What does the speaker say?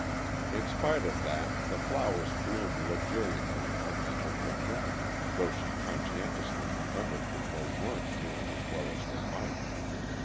In spite of that, the flowers bloomed luxuriantly in her mental picture, though she conscientiously remembered that they weren't doing as well as they might.